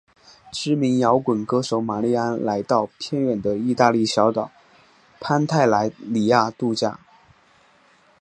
知名摇滚歌手玛莉安来到偏远的义大利小岛潘泰莱里亚度假。